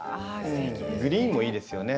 グリーンもいいですよね